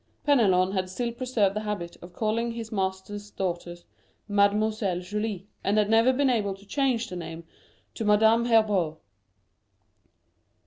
Penelon had still preserved the habit of calling his master's daughter "Mademoiselle Julie," and had never been able to change the name to Madame Herbault.